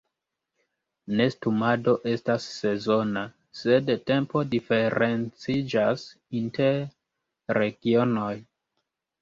Nestumado estas sezona, sed tempo diferenciĝas inter regionoj.